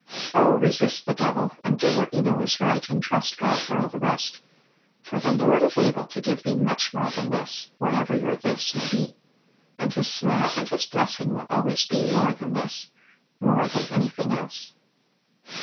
Oh, resist the devil, and do what you know is right, and trust God for all the rest! For "the Lord is able to give thee much more than this," whatever your "this" may be. And His smile and His blessing will always be "more than this," more than anything else!